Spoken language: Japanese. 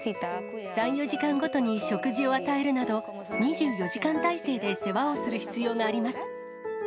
３、４時間ごとに食事を与えるなど、２４時間態勢で世話をする必要があります。